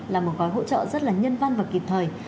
của gói hỗ trợ rất là nhân văn và kịp thời